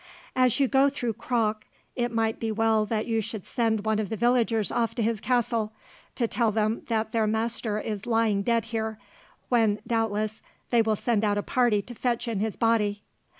"As you go through Croc, it might be well that you should send one of the villagers off to his castle, to tell them that their master is lying dead here, when doubtless they will send out a party to fetch in his body."